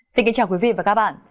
xin kính chào quý vị và các bạn